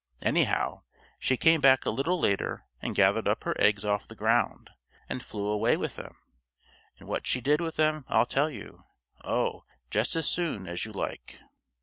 Anyhow she came back a little later and gathered up her eggs off the ground, and flew away with them, and what she did with them I'll tell you; oh, just as soon as you like.